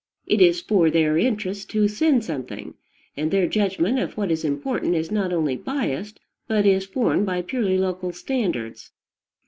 It is for their interest to send something; and their judgment of what is important is not only biased, but is formed by purely local standards.